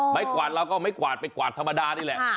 กวาดเราก็เอาไม้กวาดไปกวาดธรรมดานี่แหละ